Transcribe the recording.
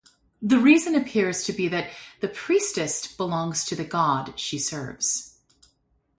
The reason appears to be that a priestess belongs to the god she serves.